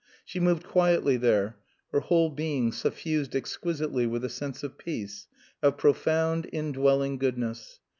She moved quietly there, her whole being suffused exquisitely with a sense of peace, of profound, indwelling goodness.